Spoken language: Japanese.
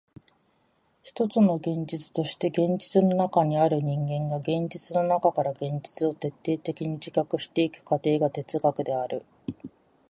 ひとつの現実として現実の中にある人間が現実の中から現実を徹底的に自覚してゆく過程が哲学である。